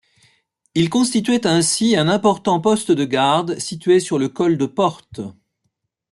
Il constituait ainsi un important poste de garde situé sur le col de Portes.